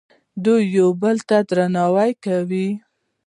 دوی یو بل ته درناوی کوي.